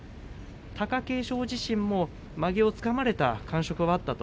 貴景勝自身もまげをつかまれた感触はあったと。